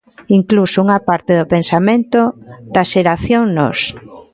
Incluso unha parte do pensamento da Xeración Nós.